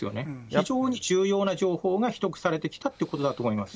非常に重要な情報が秘匿されてきたということだと思います。